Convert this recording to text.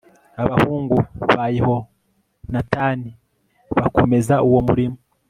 abahungu ba yehonatani bakomeza uwo murimo